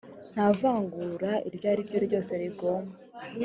nta vangura iryo ari ryo ryose rigomba